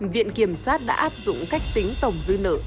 viện kiểm sát đã áp dụng cách tính tổng dư nợ